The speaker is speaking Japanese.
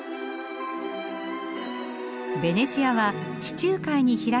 ベネチアは地中海に開けた街。